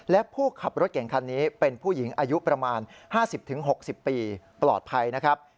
และผู้ขับรถเก่งคันนี้เป็นผู้หญิงอายุประมาณ๕๐๖๐ปีปลอดภัยนะครับ